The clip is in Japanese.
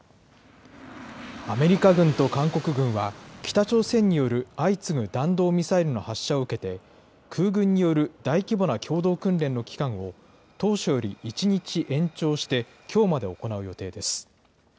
アメリカ軍と韓国軍は北朝鮮による相次ぐ弾道ミサイルの発射を受けて、空軍による大規模な共同訓練の期間を当初より１日延長して、きょうまで行う予定です。